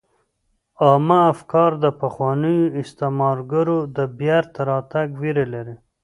عامه افکار د پخوانیو استعمارګرو د بیرته راتګ ویره لري